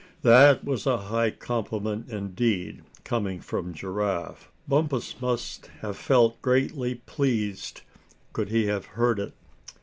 That was a high compliment indeed, coming from Giraffe. Bumpus must have felt greatly pleased, could he have heard it.